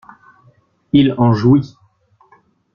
Il en jouit.